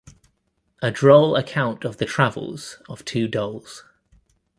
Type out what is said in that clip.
A droll account of the travels of two dolls.